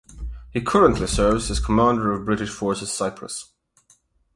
He currently serves as Commander of British Forces Cyprus.